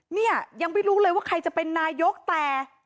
เนี่ยยังไม่รู้เลยว่าใครจะเป็นนายกแต่